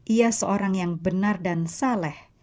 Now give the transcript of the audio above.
ia seorang yang benar dan saleh